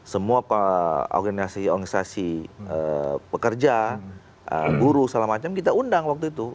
semua organisasi organisasi pekerja guru segala macam kita undang waktu itu